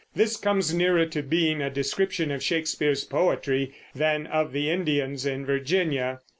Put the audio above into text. This comes nearer to being a description of Shakespeare's poetry than of the Indians in Virginia.